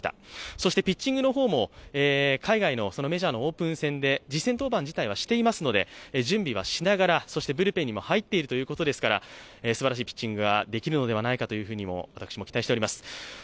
そしてピッチングの方も、海外のメジャーのオープン戦で実戦登板はしていますので、準備はしながら、ブルペンにも入っているということですからすばらしいピッチングができるのではないかと私も期待しています。